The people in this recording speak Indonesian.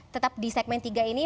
tetap di segmen tiga ini